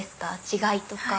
違いとか。